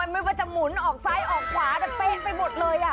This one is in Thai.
ไม่ว่าจะหมุนออกซ้ายออกขวาแต่เป๊ะไปหมดเลย